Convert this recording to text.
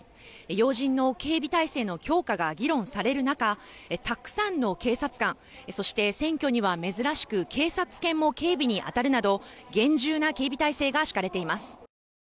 要人の警備態勢の強化が議論される中、たくさんの警察官そして選挙には珍しく警察犬も警備に当たるなど厳重な警備態勢が敷かれています。